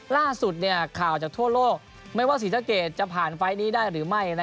ล่าสุดข่าวจากทั่วโลกไม่ว่าศรีสะเกดจะผ่านไฟล์นี้ได้หรือไม่